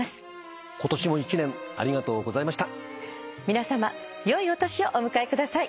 皆さま良いお年をお迎えください。